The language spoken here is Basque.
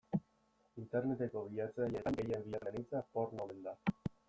Interneteko bilatzaileetan gehien bilatzen den hitza porno omen da.